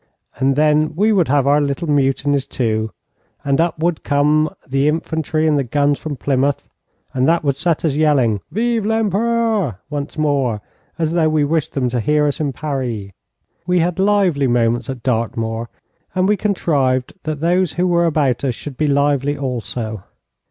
And then we would have our little mutinies, too, and up would come the infantry and the guns from Plymouth, and that would set us yelling 'Vive l'Empereur' once more, as though we wished them to hear us in Paris. We had lively moments at Dartmoor, and we contrived that those who were about us should be lively also.